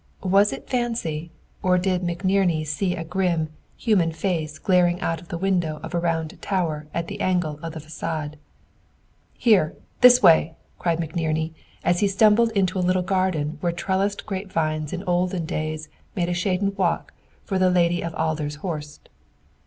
Was it fancy, or did McNerney see a grim, human face glaring out of the window of a round tower at the angle of the facade? "Here; this way!" cried McNerney, as he stumbled into a little garden where trellised grapevines in olden days made a shaded walk for the Lady of Adler's Horst.